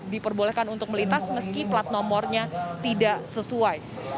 diperbolehkan untuk melintas meski plat nomornya tidak sesuai